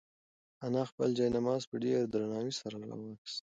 انا خپل جاینماز په ډېر درناوي سره راواخیست.